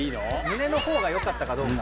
胸の方がよかったかどうか。